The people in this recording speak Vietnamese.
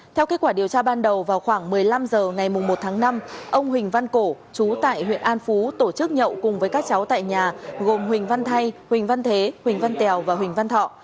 theo kết quả điều tra ban đầu vào khoảng một mươi năm h ngày một tháng năm ông huỳnh văn cổ chú tại huyện an phú tổ chức nhậu cùng với các cháu tại nhà gồm huỳnh văn thay huỳnh văn thế huỳnh văn tèo và huỳnh văn thọ